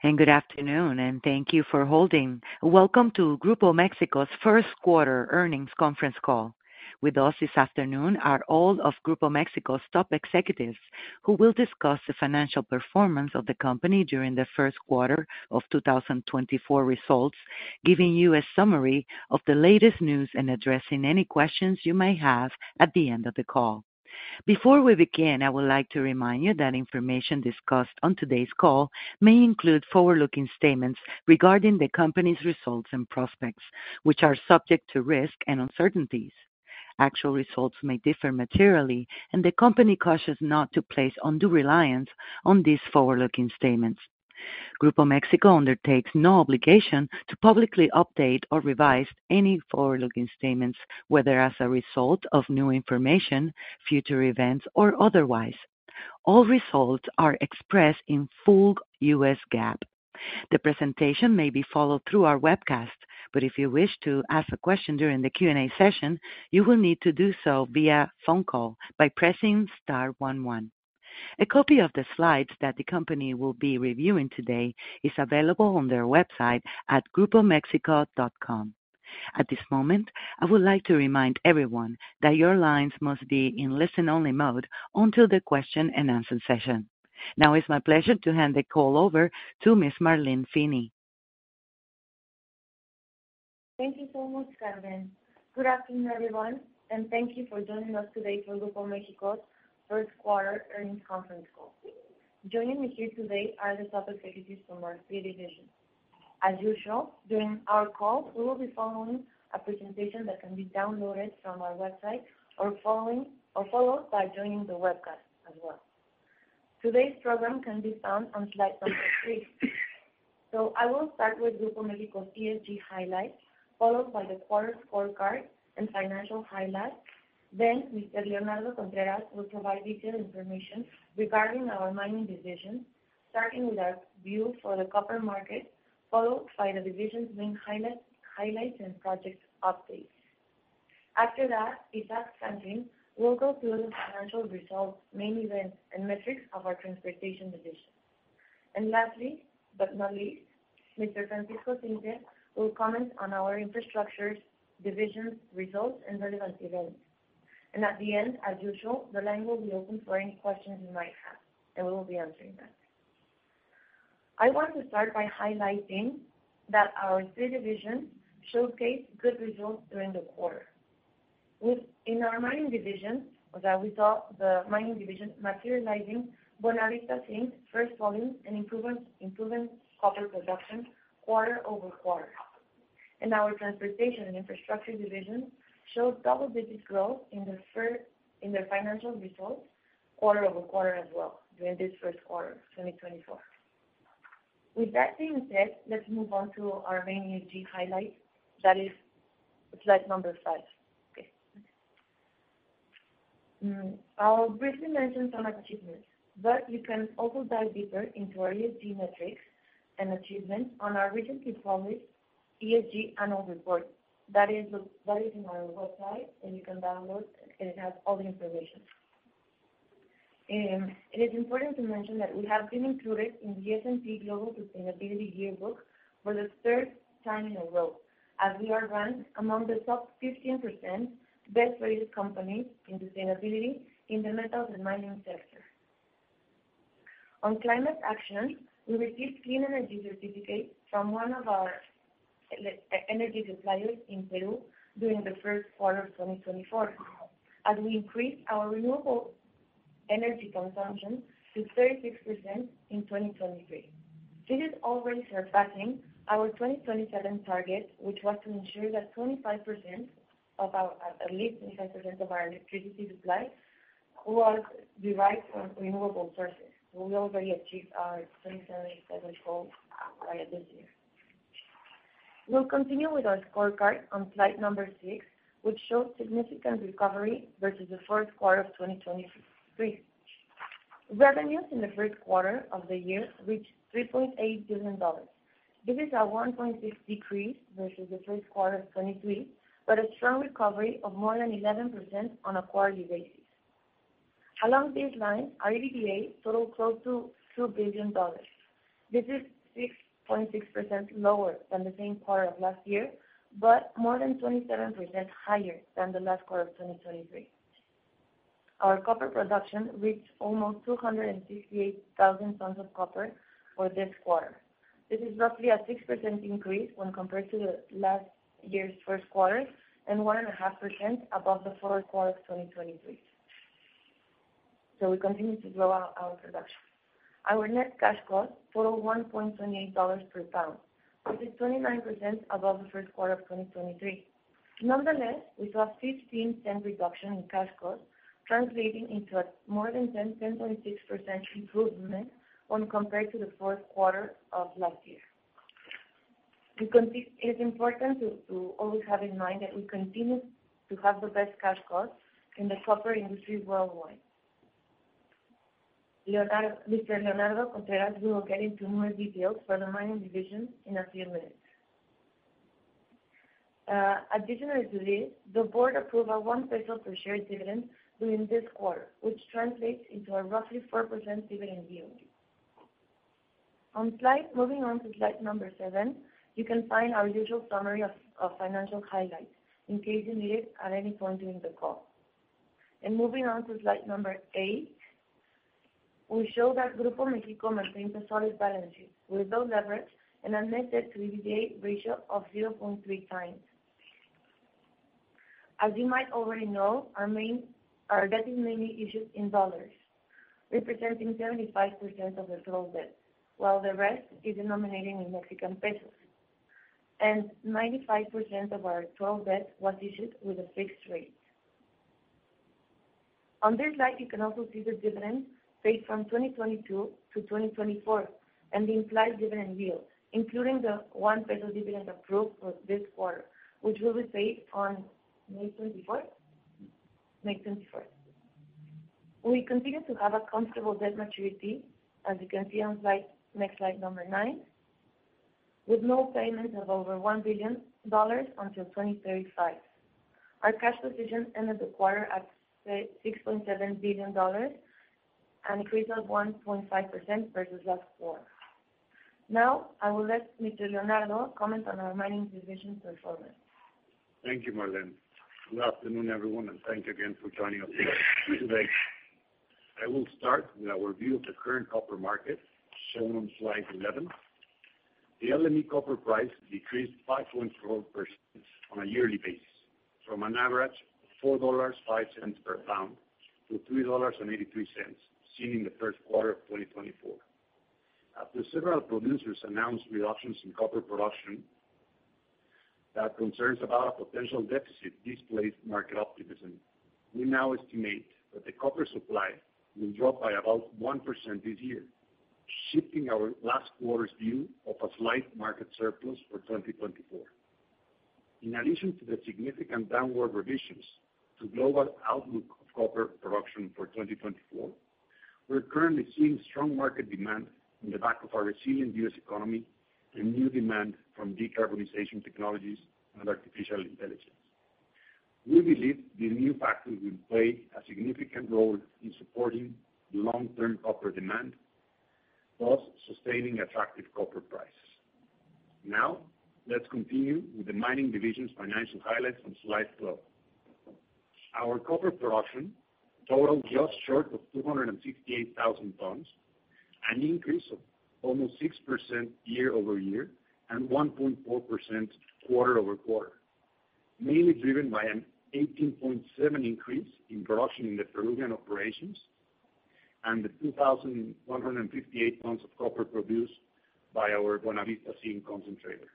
Good afternoon, and thank you for holding. Welcome to Grupo México's First Quarter Earnings Conference Call. With us this afternoon are all of Grupo México's top executives, who will discuss the financial performance of the company during the first quarter of 2024 results, giving you a summary of the latest news and addressing any questions you may have at the end of the call. Before we begin, I would like to remind you that information discussed on today's call may include forward-looking statements regarding the company's results and prospects, which are subject to risk and uncertainties. Actual results may differ materially, and the company cautions not to place undue reliance on these forward-looking statements. Grupo México undertakes no obligation to publicly update or revise any forward-looking statements, whether as a result of new information, future events, or otherwise. All results are expressed in full US GAAP. The presentation may be followed through our webcast, but if you wish to ask a question during the Q&A session, you will need to do so via phone call by pressing star one, one. A copy of the slides that the company will be reviewing today is available on their website at grupomexico.com. At this moment, I would like to remind everyone that your lines must be in listen-only mode until the question and answer session. Now it's my pleasure to hand the call over to Ms. Marlene Finny. Thank you so much, Carmen. Good afternoon, everyone, and thank you for joining us today for Grupo México's first quarter earnings conference call. Joining me here today are the top executives from our three divisions. As usual, during our call, we will be following a presentation that can be downloaded from our website or followed by joining the webcast as well. Today's program can be found on slide number three. So I will start with Grupo México ESG highlights, followed by the quarter scorecard and financial highlights. Then Mr. Leonardo Contreras will provide detailed information regarding our mining division, starting with our view for the copper market, followed by the division's main highlights, highlights and project updates. After that, Isaac Franklin will go through the financial results, main events, and metrics of our transportation division. And lastly, but not least, Mr. Francisco Zinser will comment on our infrastructure division's results and relevant events. At the end, as usual, the line will be open for any questions you might have, and we will be answering them. I want to start by highlighting that our three divisions showcased good results during the quarter. Within our mining division, that we saw the mining division materializing, Buenavista seeing first volume and improvement, improving copper production quarter-over-quarter. And our transportation and infrastructure division showed double-digit growth in the financial results quarter-over-quarter as well, during this first quarter of 2024. With that being said, let's move on to our main ESG highlights. That is slide 5. Okay. I'll briefly mention some achievements, but you can also dive deeper into our ESG metrics and achievements on our recently published ESG annual report. That is the, that is in our website, and you can download, and it has all the information. It is important to mention that we have been included in the S&P Global Sustainability Yearbook for the third time in a row, as we are ranked among the top 15% best-rated companies in sustainability in the metals and mining sector. On climate action, we received clean energy certificates from one of our energy suppliers in Peru during the first quarter of 2024, as we increased our renewable energy consumption to 36% in 2023. This is already surpassing our 2027 target, which was to ensure that 25% of our, at least 25% of our electricity supply was derived from renewable sources. We already achieved our 2027 goal by this year. We'll continue with our scorecard on slide number six, which shows significant recovery versus the fourth quarter of 2023. Revenues in the first quarter of the year reached $3.8 billion. This is a 1.6% decrease versus the first quarter of 2023, but a strong recovery of more than 11% on a quarterly basis. Along these lines, our EBITDA totaled close to $2 billion. This is 6.6% lower than the same quarter of last year, but more than 27% higher than the last quarter of 2023. Our copper production reached almost 268,000 tons of copper for this quarter. This is roughly a 6% increase when compared to last year's first quarter, and 1.5% above the fourth quarter of 2023. So we continue to grow our production. Our net cash cost totaled $1.28 per pound, which is 29% above the first quarter of 2023. Nonetheless, we saw a $0.15 reduction in cash costs, translating into a more than 10, 10.6% improvement when compared to the fourth quarter of last year. It is important to always have in mind that we continue to have the best cash costs in the copper industry worldwide. Mr. Leonardo Contreras will get into more details for the mining division in a few minutes. Additionally to this, the board approved a 1 peso per share dividend during this quarter, which translates into a roughly 4% dividend yield. Moving on to slide number seven, you can find our usual summary of financial highlights in case you need it at any point during the call. Moving on to slide number eight, we show that Grupo México maintains a solid balance sheet with low leverage and a net debt to EBITDA ratio of 0.3x. As you might already know, our debt is mainly issued in dollars, representing 75% of the total debt, while the rest is denominated in Mexican pesos, and 95% of our total debt was issued with a fixed rate. On this slide, you can also see the dividends paid from 2022 to 2024, and the implied dividend yield, including the 1 peso dividend approved for this quarter, which will be paid on May 24? May 21. We continue to have a comfortable debt maturity, as you can see on the next slide, number nine, with no payments of over $1 billion until 2035. Our cash position ended the quarter at $6.7 billion, an increase of 1.5% versus last quarter. Now, I will let Mr. Leonardo comment on our mining division's performance. Thank you, Marlene. Good afternoon, everyone, and thank you again for joining us today. I will start with our view of the current copper market, shown on Slide 11. The LME copper price decreased 5.4% on a yearly basis, from an average of $4.05 per pound to $3.83, seen in the first quarter of 2024. After several producers announced reductions in copper production, that concerns about a potential deficit displaced market optimism. We now estimate that the copper supply will drop by about 1% this year, shifting our last quarter's view of a slight market surplus for 2024. In addition to the significant downward revisions to global outlook of copper production for 2024, we're currently seeing strong market demand on the back of our resilient U.S. economy and new demand from decarbonization technologies and artificial intelligence. We believe these new factors will play a significant role in supporting long-term copper demand, plus sustaining attractive copper prices. Now, let's continue with the mining division's financial highlights on Slide 12. Our copper production totaled just short of 268,000 tons, an increase of almost 6% year-over-year, and 1.4% quarter-over-quarter, mainly driven by an 18.7% increase in production in the Peruvian operations, and the 2,158 tons of copper produced by our Buenavista Zinc concentrator.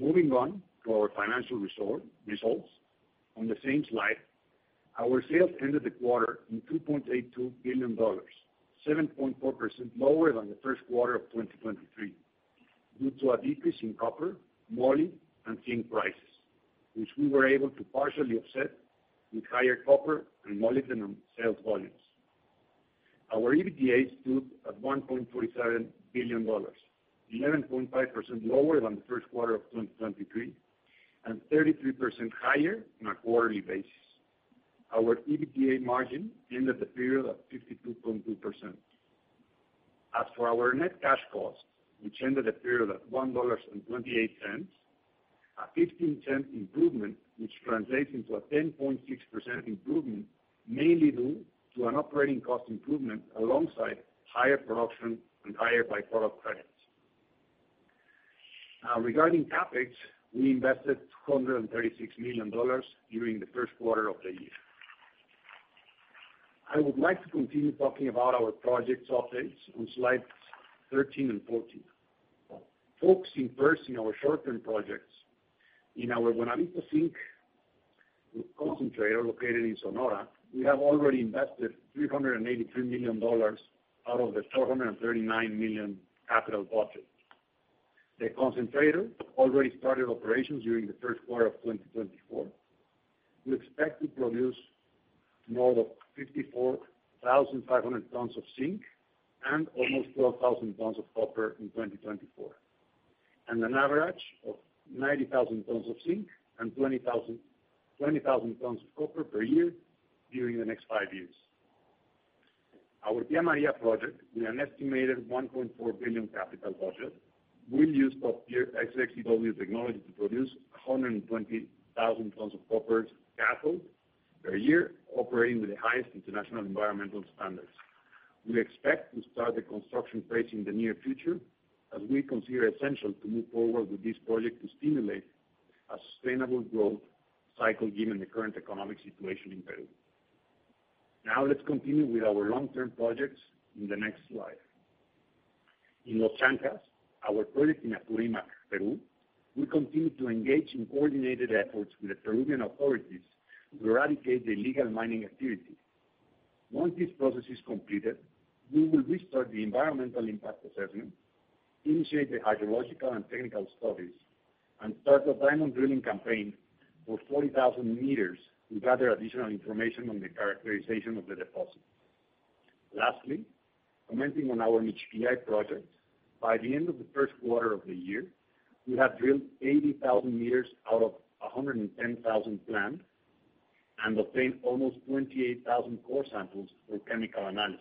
Moving on to our financial results on the same slide, our sales ended the quarter in $2.82 billion, 7.4% lower than the first quarter of 2023, due to a decrease in copper, moly, and zinc prices, which we were able to partially offset with higher copper and molybdenum sales volumes. Our EBITDA stood at $1.47 billion, 11.5% lower than the first quarter of 2023, and 33% higher on a quarterly basis. Our EBITDA margin ended the period at 52.2%. As for our net cash costs, which ended the period at $1.28, a 15-cent improvement, which translates into a 10.6% improvement, mainly due to an operating cost improvement alongside higher production and higher by-product credits. Now, regarding CapEx, we invested $236 million during the first quarter of the year. I would like to continue talking about our projects updates on Slides 13 and 14. Focusing first on our short-term projects, in our Buenavista Zinc concentrator, located in Sonora, we have already invested $383 million out of the $439 million capital budget. The concentrator already started operations during the first quarter of 2024. We expect to produce more than 54,500 tons of zinc and almost 12,000 tons of copper in 2024, and an average of 90,000 tons of zinc and 20,000 tons of copper per year during the next five years. Our Tía María project, with an estimated $1.4 billion capital budget, will use top-tier SX-EW technology to produce 120,000 tons of copper cathode per year, operating with the highest international environmental standards. We expect to start the construction phase in the near future, as we consider it essential to move forward with this project to stimulate a sustainable growth cycle, given the current economic situation in Peru. Now, let's continue with our long-term projects in the next slide. In Los Chancas, our project in Apurímac, Peru, we continue to engage in coordinated efforts with the Peruvian authorities to eradicate the illegal mining activity. Once this process is completed, we will restart the environmental impact assessment, initiate the hydrological and technical studies, and start the diamond drilling campaign for 40,000 meters to gather additional information on the characterization of the deposit.... Lastly, commenting on our Michiquillay project. By the end of the first quarter of the year, we have drilled 80,000 meters out of 110,000 planned, and obtained almost 28,000 core samples for chemical analysis.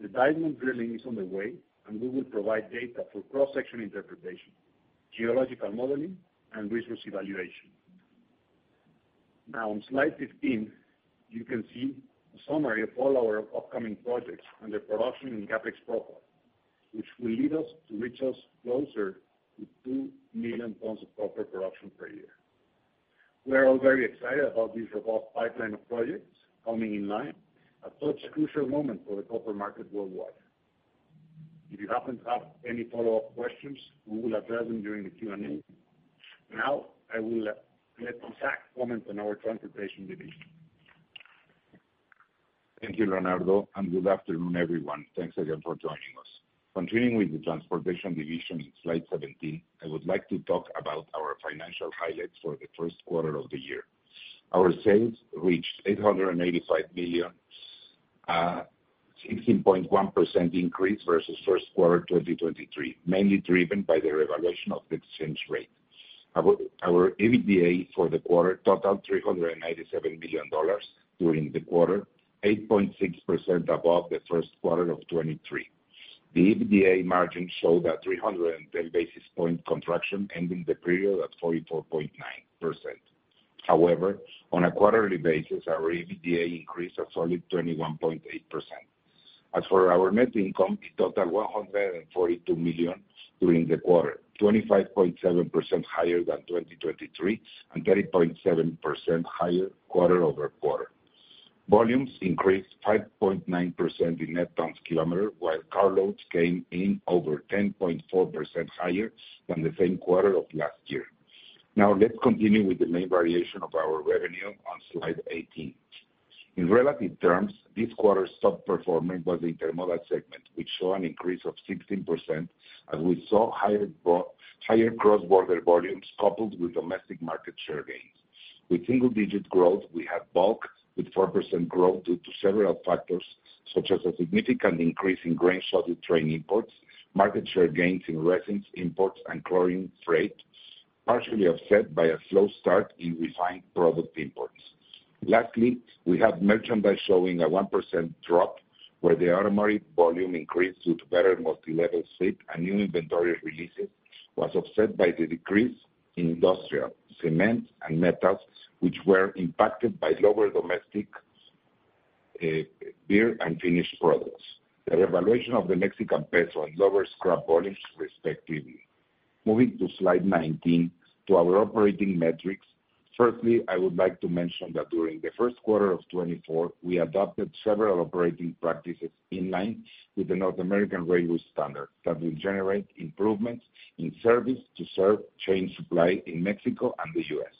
The diamond drilling is on the way, and we will provide data for cross-section interpretation, geological modeling, and resource evaluation. Now, on Slide 15, you can see a summary of all our upcoming projects and their production and CapEx profile, which will lead us to reach us closer to two million tons of copper production per year. We are all very excited about this robust pipeline of projects coming in line at such a crucial moment for the copper market worldwide. If you happen to have any follow-up questions, we will address them during the Q&A. Now, I will let Isaac comment on our Transportation division. Thank you, Leonardo, and good afternoon, everyone. Thanks again for joining us. Continuing with the Transportation division in Slide 17, I would like to talk about our financial highlights for the first quarter of the year. Our sales reached $885 million, 16.1% increase versus first quarter 2023, mainly driven by the revaluation of the exchange rate. Our EBITDA for the quarter totaled $397 billion during the quarter, 8.6% above the first quarter of 2023. The EBITDA margin showed a 310 basis point contraction, ending the period at 44.9%. However, on a quarterly basis, our EBITDA increased a solid 21.8%. As for our net income, it totaled $142 million during the quarter, 25.7% higher than 2023, and 30.7% higher quarter-over-quarter. Volumes increased 5.9% in net tons kilometer, while carloads came in over 10.4% higher than the same quarter of last year. Now, let's continue with the main variation of our revenue on Slide 18. In relative terms, this quarter's top performer was the Intermodal segment, which saw an increase of 16%, as we saw higher higher cross-border volumes coupled with domestic market share gains. With single-digit growth, we had bulk with 4% growth due to several factors, such as a significant increase in grain solid train imports, market share gains in resins imports, and chlorine freight, partially offset by a slow start in refined product imports. Lastly, we have merchandise showing a 1% drop, where the automotive volume increased due to better multilevel fleet and new inventory releases, was offset by the decrease in industrial cement and metals, which were impacted by lower domestic, beer and finished products. The revaluation of the Mexican peso and lower scrap volumes, respectively. Moving to Slide 19, to our operating metrics. Firstly, I would like to mention that during the first quarter of 2024, we adopted several operating practices in line with the North American Railway Standard that will generate improvements in service to serve chain supply in Mexico and the U.S.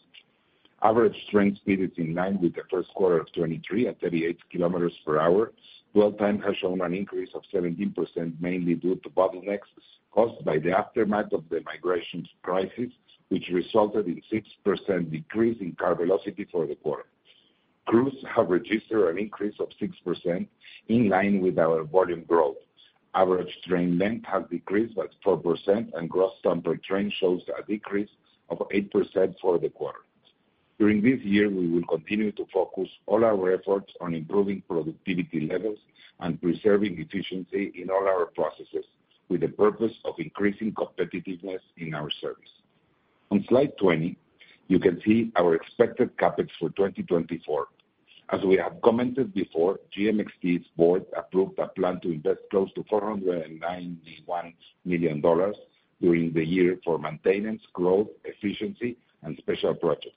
Average train speed is in line with the first quarter of 2023, at 38 km per hour. Dwell time has shown an increase of 17%, mainly due to bottlenecks caused by the aftermath of the migrations crisis, which resulted in 6% decrease in car velocity for the quarter. Crews have registered an increase of 6%, in line with our volume growth. Average train length has decreased by 12%, and gross ton per train shows a decrease of 8% for the quarter. During this year, we will continue to focus all our efforts on improving productivity levels and preserving efficiency in all our processes, with the purpose of increasing competitiveness in our service. On Slide 20, you can see our expected CapEx for 2024. As we have commented before, GMXT's board approved a plan to invest close to $491 million during the year for maintenance, growth, efficiency, and special projects.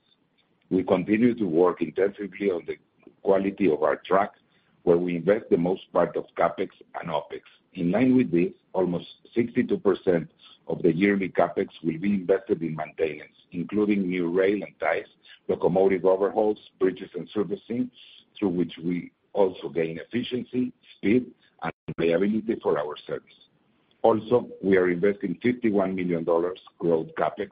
We continue to work intensively on the quality of our tracks, where we invest the most part of CapEx and OpEx. In line with this, almost 62% of the yearly CapEx will be invested in maintenance, including new rail and ties, locomotive overhauls, bridges, and servicing, through which we also gain efficiency, speed, and reliability for our service. Also, we are investing $51 million growth CapEx,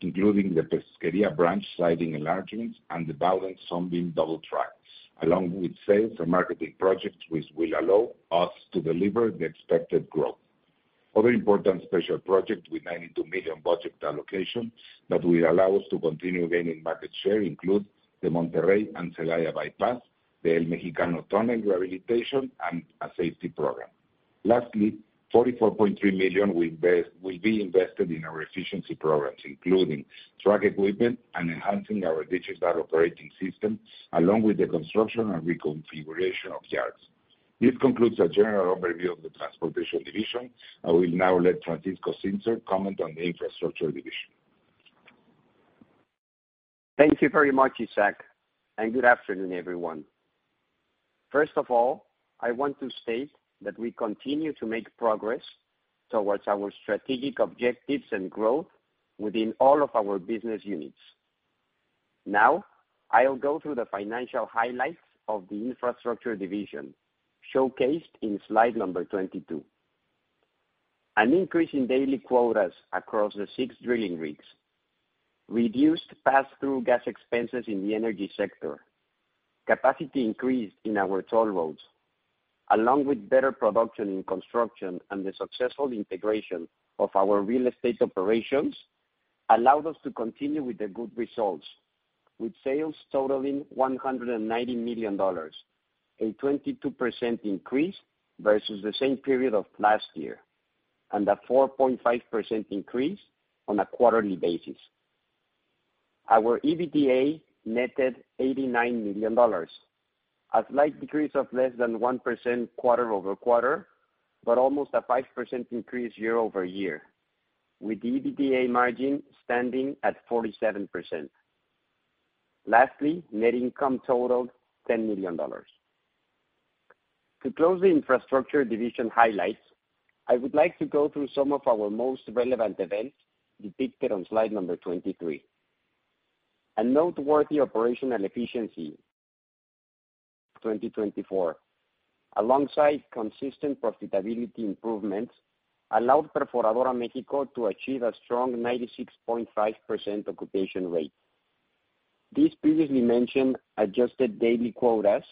including the Pesquería branch siding enlargements and the balance on being double tracked, along with sales and marketing projects, which will allow us to deliver the expected growth. Other important special projects with $92 million budget allocation that will allow us to continue gaining market share include the Monterrey and Celaya bypass, the El Mexicano Tunnel Rehabilitation, and a safety program. Lastly, $44.3 million will be invested in our efficiency programs, including track equipment and enhancing our digital operating system, along with the construction and reconfiguration of yards. This concludes our general overview of the Transportation division. I will now let Francisco Zinser comment on the Infrastructure division. Thank you very much, Isaac, and good afternoon, everyone. First of all, I want to state that we continue to make progress towards our strategic objectives and growth within all of our business units. Now, I'll go through the financial highlights of the Infrastructure division, showcased in slide number 22.... an increase in daily quotas across the six drilling rigs, reduced pass-through gas expenses in the energy sector, capacity increase in our toll roads, along with better production in construction and the successful integration of our real estate operations, allowed us to continue with the good results, with sales totaling $190 million, a 22% increase versus the same period of last year, and a 4.5% increase on a quarterly basis. Our EBITDA netted $89 million, a slight decrease of less than 1% quarter-over-quarter, but almost a 5% increase year-over-year, with EBITDA margin standing at 47%. Lastly, net income totaled $10 million. To close the infrastructure division highlights, I would like to go through some of our most relevant events depicted on slide number 23. A noteworthy operational efficiency in 2024, alongside consistent profitability improvements, allowed Perforadora México to achieve a strong 96.5% occupation rate. These previously mentioned adjusted daily quotas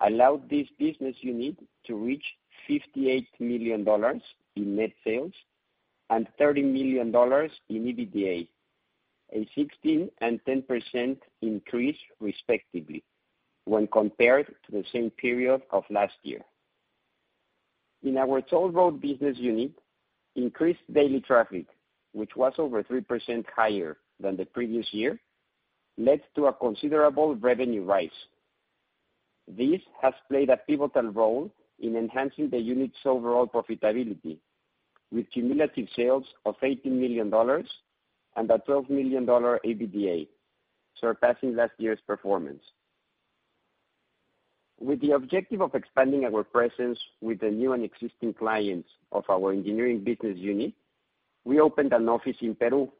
allowed this business unit to reach $58 million in net sales and $30 million in EBITDA, a 16% and 10% increase, respectively, when compared to the same period of last year. In our toll road business unit, increased daily traffic, which was over 3% higher than the previous year, led to a considerable revenue rise. This has played a pivotal role in enhancing the unit's overall profitability, with cumulative sales of $18 million and a $12 million EBITDA, surpassing last year's performance. With the objective of expanding our presence with the new and existing clients of our engineering business unit, we opened an office in Peru,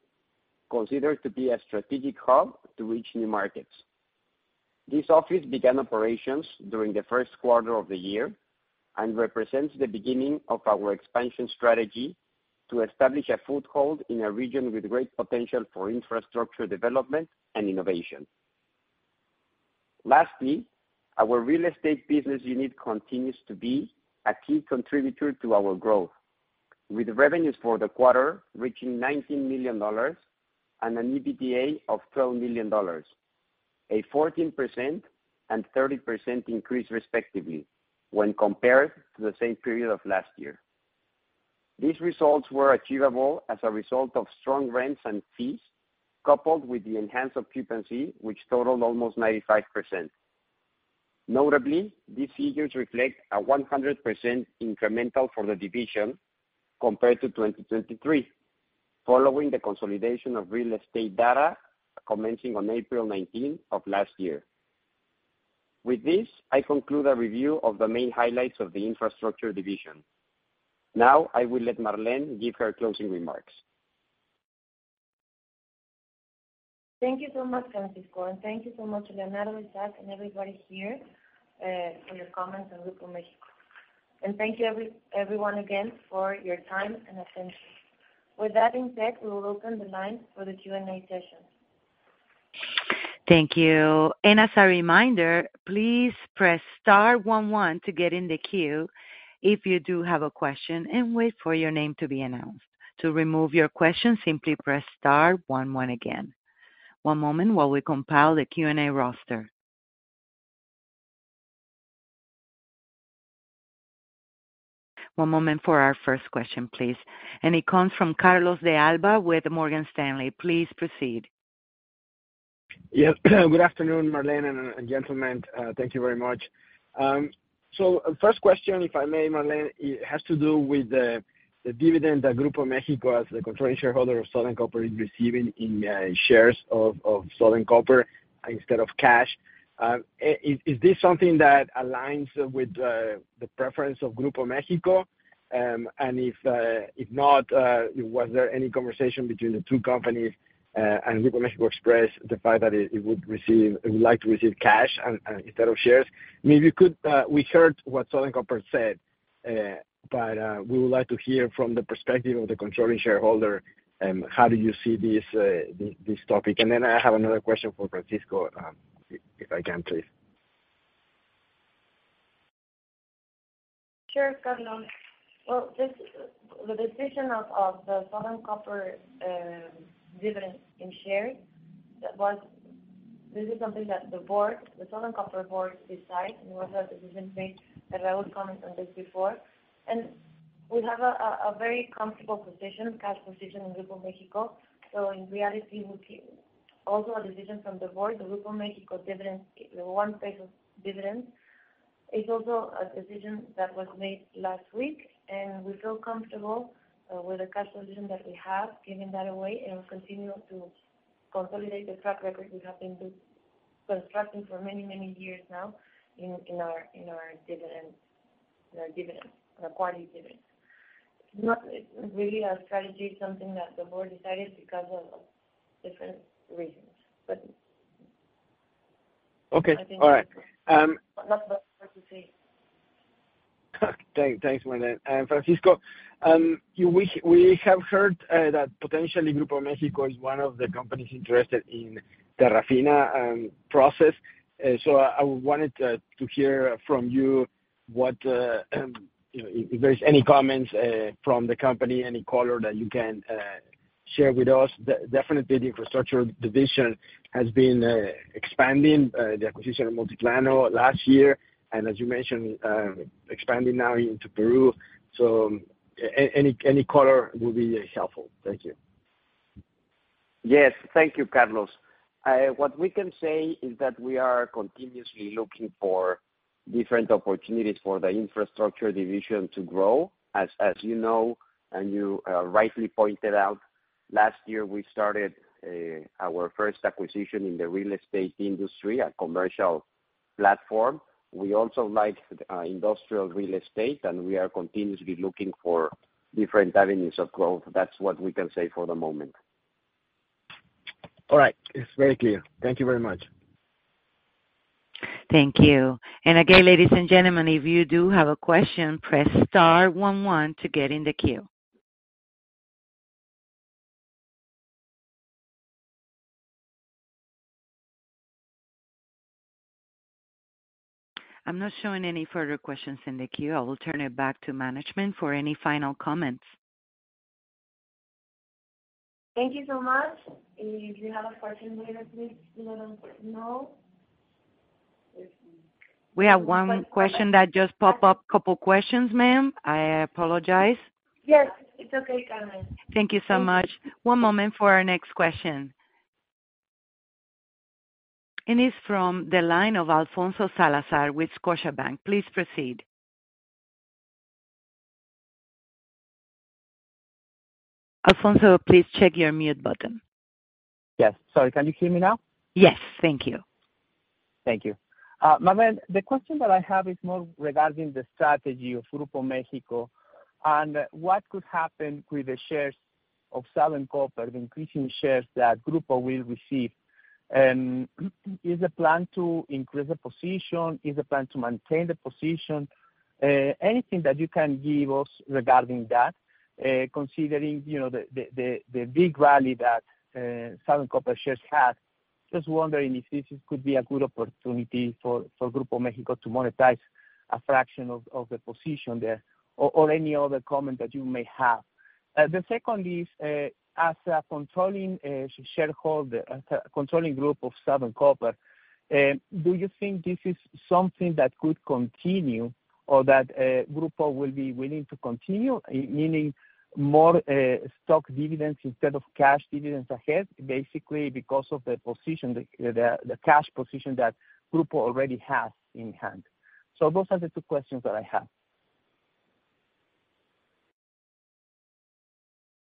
considered to be a strategic hub to reach new markets. This office began operations during the first quarter of the year and represents the beginning of our expansion strategy to establish a foothold in a region with great potential for infrastructure development and innovation. Lastly, our real estate business unit continues to be a key contributor to our growth, with revenues for the quarter reaching $19 million and an EBITDA of $12 million, a 14% and 30% increase, respectively, when compared to the same period of last year. These results were achievable as a result of strong rents and fees, coupled with the enhanced occupancy, which totaled almost 95%. Notably, these figures reflect a 100% incremental for the division compared to 2023, following the consolidation of real estate data commencing on April 19th of last year. With this, I conclude a review of the main highlights of the infrastructure division. Now, I will let Marlene give her closing remarks. Thank you so much, Francisco, and thank you so much, Leonardo, Isaac, and everybody here for your comments on Grupo México. Thank you everyone again for your time and attention. With that being said, we will open the line for the Q&A session. Thank you. As a reminder, please press star one one to get in the queue if you do have a question, and wait for your name to be announced. To remove your question, simply press star one one again. One moment while we compile the Q&A roster. One moment for our first question, please. It comes from Carlos De Alba with Morgan Stanley. Please proceed. Yeah. Good afternoon, Marlene and gentlemen. Thank you very much. So first question, if I may, Marlene, it has to do with the dividend that Grupo México, as the controlling shareholder of Southern Copper, is receiving in shares of Southern Copper instead of cash. Is this something that aligns with the preference of Grupo México? And if not, was there any conversation between the two companies, and Grupo México express the fact that it would receive—it would like to receive cash and instead of shares? Maybe you could... We heard what Southern Copper said, but we would like to hear from the perspective of the controlling shareholder, how do you see this topic? And then I have another question for Francisco, if I can, please. Sure, Carlos. Well, this, the decision of the Southern Copper dividend in share, that was—this is something that the board, the Southern Copper board, decide. It was a decision made, and I would comment on this before. We have a very comfortable position, cash position in Grupo México. So in reality, we keep—also a decision from the board, the Grupo México dividend, the one peso of dividend, is also a decision that was made last week, and we feel comfortable with the cash position that we have, giving that away, and we'll continue to consolidate the track record we have been constructing for many, many years now in our dividend, our quality dividend. Not really a strategy, something that the board decided because of different reasons, but-... Okay. All right. But not hard to say. Thanks, Marlene. And Francisco, you, we have heard that potentially Grupo México is one of the companies interested in Terrafina process. So I wanted to hear from you what you know, if there's any comments from the company, any color that you can share with us. Definitely the infrastructure division has been expanding, the acquisition of Multiprana last year, and as you mentioned, expanding now into Peru. So any color will be helpful. Thank you. Yes. Thank you, Carlos. What we can say is that we are continuously looking for different opportunities for the infrastructure division to grow. As you know, and you rightly pointed out, last year we started our first acquisition in the real estate industry, a commercial platform. We also like industrial real estate, and we are continuously looking for different avenues of growth. That's what we can say for the moment. All right. It's very clear. Thank you very much. Thank you. Again, ladies and gentlemen, if you do have a question, press star one one to get in the queue. I'm not showing any further questions in the queue. I will turn it back to management for any final comments. Thank you so much. If you have a question later, please let us know. If- We have one question that just popped up. Couple questions, ma'am. I apologize. Yes, it's okay, Carmen. Thank you so much. One moment for our next question. It's from the line of Alfonso Salazar with Scotiabank. Please proceed. Alfonso, please check your mute button. Yes. Sorry, can you hear me now? Yes. Thank you. Thank you. Marlene, the question that I have is more regarding the strategy of Grupo México, and what could happen with the shares of Southern Copper, the increasing shares that Grupo will receive? And is the plan to increase the position? Is the plan to maintain the position? Anything that you can give us regarding that, considering, you know, the big rally that Southern Copper shares had? Just wondering if this could be a good opportunity for Grupo México to monetize a fraction of the position there, or any other comment that you may have. The second is, as a controlling shareholder, controlling group of Southern Copper, do you think this is something that could continue or that Grupo will be willing to continue, meaning more stock dividends instead of cash dividends ahead, basically because of the position, the cash position that Grupo already has in hand? So those are the two questions that I have.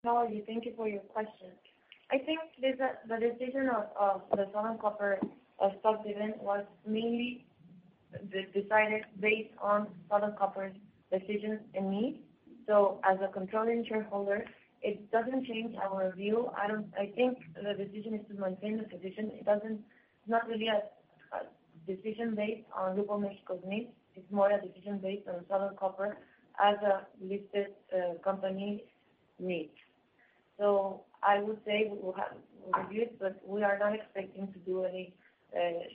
Thank you. Thank you for your question. I think the decision of the Southern Copper stock dividend was mainly decided based on Southern Copper's decisions and needs. So as a controlling shareholder, it doesn't change our view. I don't... I think the decision is to maintain the position. It doesn't; it's not really a decision based on Grupo México's needs. It's more a decision based on Southern Copper as a listed company needs. So I would say we'll have; we'll review it, but we are not expecting to do any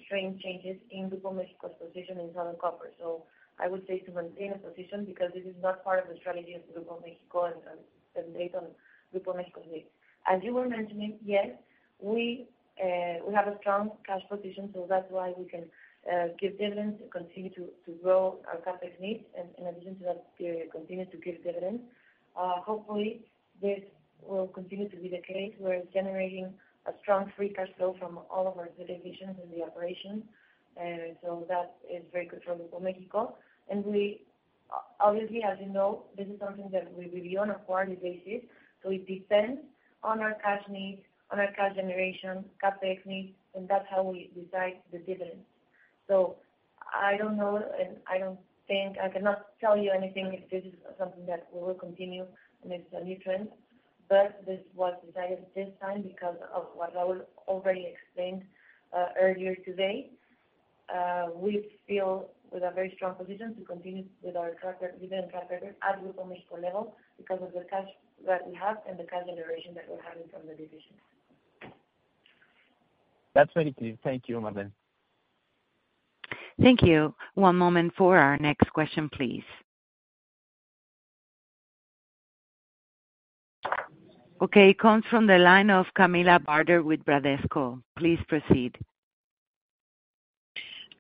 strange changes in Grupo México's position in Southern Copper. So I would say to maintain a position, because this is not part of the strategy of Grupo México and based on Grupo México's needs. As you were mentioning, yes, we, we have a strong cash position, so that's why we can give dividends and continue to grow our CapEx needs, and in addition to that, continue to give dividends. Hopefully, this will continue to be the case. We're generating a strong free cash flow from all of our divisions in the operation, and so that is very good for Grupo México. And we, obviously, as you know, this is something that we review on a quarterly basis, so it depends on our cash needs, on our cash generation, CapEx needs, and that's how we decide the dividends. So I don't know, and I don't think, I cannot tell you anything, if this is something that will continue and it's a new trend, but this was decided this time because of what I will already explained earlier today. We feel with a very strong position to continue with our tracker, dividend tracker at Grupo México level, because of the cash that we have and the cash generation that we're having from the division. That's very clear. Thank you, Marlene. Thank you. One moment for our next question, please. Okay, it comes from the line of Camilla Barder with Bradesco BBI. Please proceed.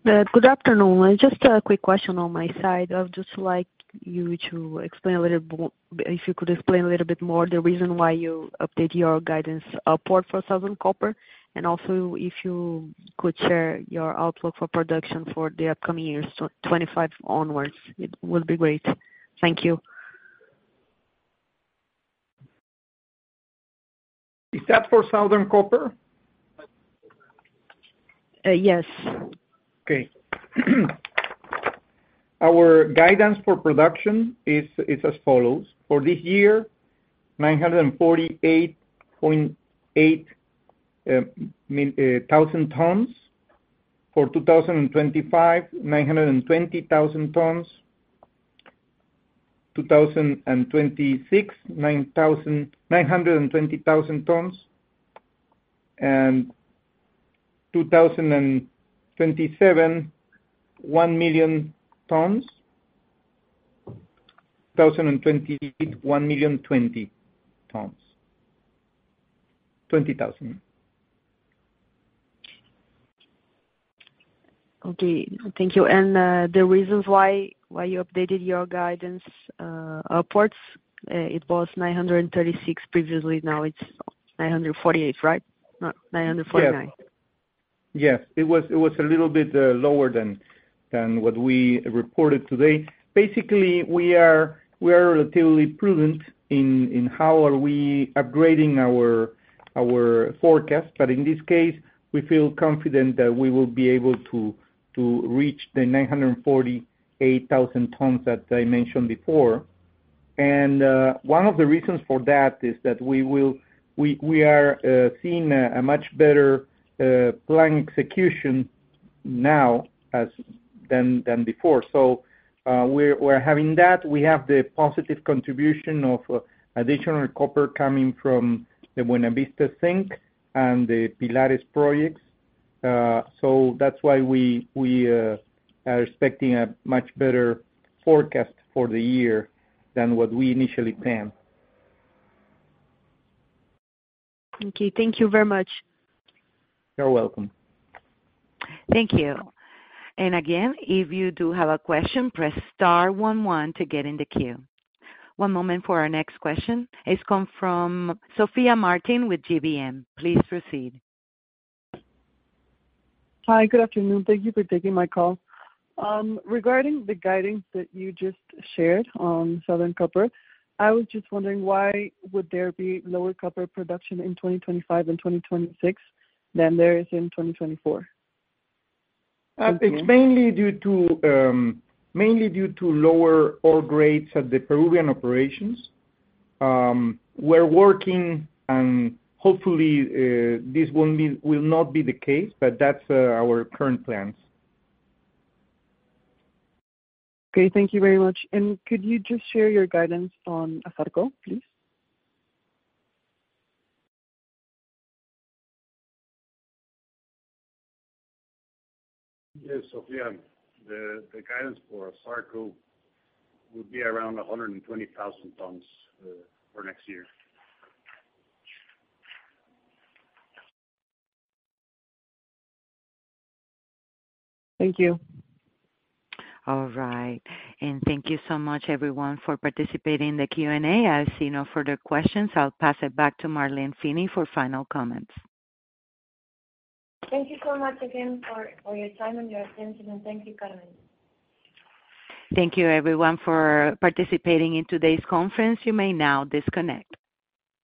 Good afternoon. Just a quick question on my side. I would just like you to explain a little more, if you could explain a little bit more the reason why you updated your guidance upward for Southern Copper, and also if you could share your outlook for production for the upcoming years, 2025 onwards, it would be great. Thank you. Is that for Southern Copper? Uh, yes. Okay.... Our guidance for production is, is as follows: for this year, 948.8 thousand tons. For 2025, 920,000 tons. 2026, 920,000 tons. And 2027, one million tons. 2028, 1,020,000 tons. Okay, thank you. The reasons why, why you updated your guidance, upwards, it was 936 previously, now it's 948, right? Not 949. Yes. Yes, it was a little bit lower than what we reported today. Basically, we are relatively prudent in how we are upgrading our forecast. But in this case, we feel confident that we will be able to reach the 948,000 tons that I mentioned before. And one of the reasons for that is that we will—we are seeing a much better plan execution now as than before. So, we're having that. We have the positive contribution of additional copper coming from the Buenavista Zinc and the Pilares projects. So that's why we are expecting a much better forecast for the year than what we initially planned. Okay, thank you very much. You're welcome. Thank you. And again, if you do have a question, press star one one to get in the queue. One moment for our next question. It's come from Sofia Martin with GBM. Please proceed. Hi, good afternoon. Thank you for taking my call. Regarding the guidance that you just shared on Southern Copper, I was just wondering why would there be lower copper production in 2025 and 2026 than there is in 2024? It's mainly due to mainly due to lower ore grades at the Peruvian operations. We're working and hopefully this won't be, will not be the case, but that's our current plans. Okay, thank you very much. Could you just share your guidance on ASARCO, please? Yes, Sofia, the guidance for ASARCO will be around 120,000 tons for next year. Thank you. All right. And thank you so much everyone for participating in the Q&A. I see no further questions. I'll pass it back to Marlene Finny for final comments. Thank you so much again for your time and your attention, and thank you, Carmen. Thank you everyone for participating in today's conference. You may now disconnect.